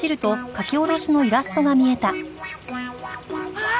あっ！